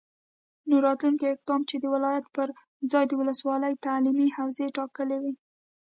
نو راتلونکی اقدام چې د ولایت پرځای د ولسوالي تعلیمي حوزې ټاکل وي،